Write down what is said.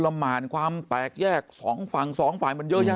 แล้วไปปล่อยทิ้งเอาไว้จนเด็กเนี่ย